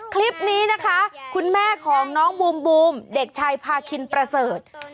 คลิปนี้นะคะคุณแม่ของน้องบูมเด็กชายพาคินประเสริฐ